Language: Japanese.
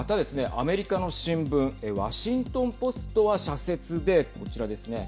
アメリカの新聞ワシントン・ポストは社説でこちらですね。